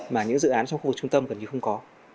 mà những dự án trong khu vực trung tâm gần như không có